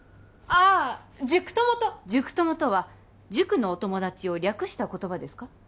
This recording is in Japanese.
あっ塾友と塾友とは塾のお友達を略した言葉ですか？